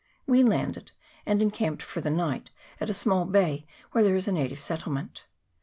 We landed, and encamped for the night at a small bay where there is a native settlement.